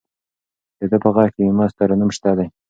د ده په غږ کې یو مست ترنم شته دی.